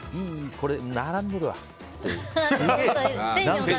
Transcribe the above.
これ並んでるわって。